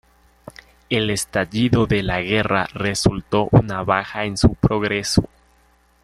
El estallido de la guerra resultó una baja en su progreso.